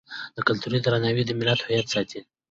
د کلتور درناوی د ملت هویت ساتي.